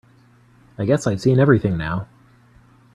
I guess I've seen everything now.